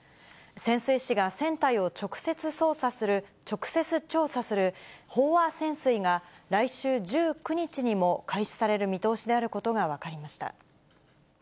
潜水士が船体を直接調査する飽和潜水が来週１９日にも開始される見通しであることが分かりました。